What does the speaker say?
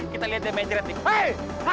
kita harus ke rumah